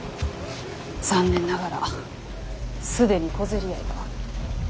残念ながら既に小競り合いが。